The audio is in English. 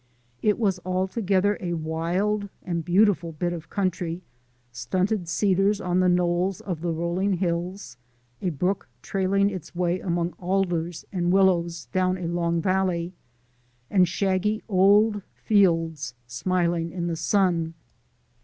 It was altogether a wild and beautiful bit of country stunted cedars on the knolls of the rolling hills, a brook trailing its way among alders and willows down a long valley, and shaggy old fields smiling in the sun.